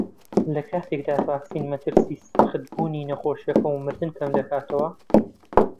لەکاتێکدا ڤاکسین مەترسیی سەختبوونی نەخۆشییەکە و مردن کەمدەکاتەوە